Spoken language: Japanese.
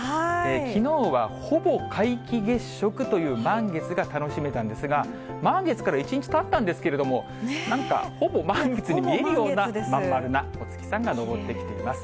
きのうはほぼ皆既月食という満月が楽しめたんですが、満月から１日たったんですけれども、なんかほぼ満月に見えるような、真ん丸なお月さんが昇ってきています。